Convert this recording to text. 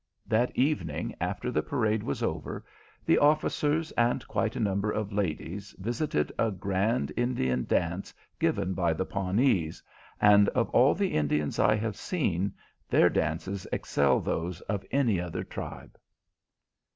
That evening, after the parade was over, the officers and quite a number of ladies visited a grand Indian dance given by the Pawnees, and of all the Indians I have seen, their dances excel those of any other tribe.